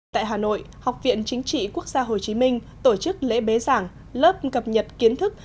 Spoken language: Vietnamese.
tại hà nội học viện chính trị quốc gia hồ chí minh tổ chức lễ bế giảng lớp cập nhật kiến thức